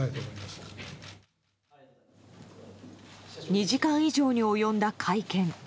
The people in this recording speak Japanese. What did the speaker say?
２時間以上に及んだ会見。